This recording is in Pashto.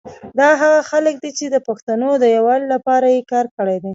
دا هغه خلګ دي چي د پښتونو د یوالي لپاره یي کار کړي دی